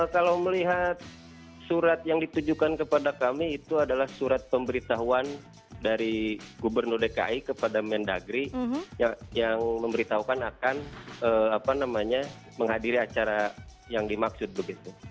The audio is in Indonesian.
kalau melihat surat yang ditujukan kepada kami itu adalah surat pemberitahuan dari gubernur dki kepada mendagri yang memberitahukan akan menghadiri acara yang dimaksud begitu